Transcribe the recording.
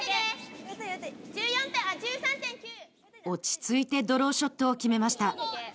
落ち着いてドローショットを決めました。